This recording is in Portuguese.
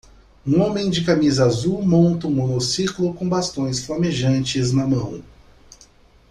Um homem de camisa azul monta um monociclo com bastões flamejantes na mão.